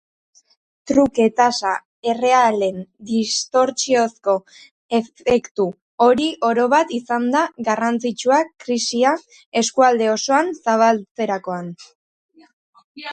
Truke-tasa errealen distortsiozko efektu hori orobat izan da garrantzitsua krisia eskualde osoan zabaltzerakoan.